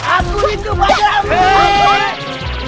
aku itu pak jelam